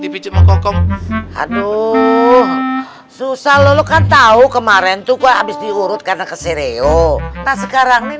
paku paku dicabutin dong